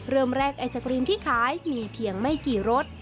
เริ่มแรกไอศกรีมที่ขายมีเพียงไม่กี่รส